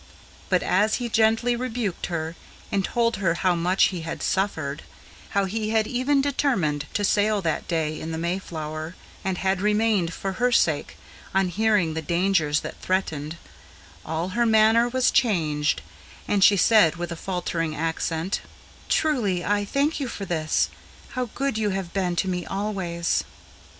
But as he gently rebuked her, and told her how much he had suffered, How he had even determined to sail that day in the Mayflower, And had remained for her sake, on hearing the dangers that threatened, All her manner was changed, and she said with a faltering accent, "Truly I thank you for this: how good you have been to me always!"